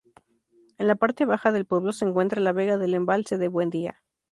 En la parte baja del pueblo se encuentra la vega del embalse de Buendía.